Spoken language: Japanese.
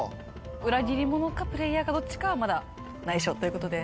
裏切り者かプレイヤーかどっちかはまだ内緒ということで。